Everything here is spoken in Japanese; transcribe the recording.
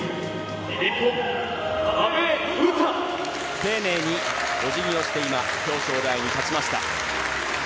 丁寧にお辞儀をして今、表彰台に立ちました。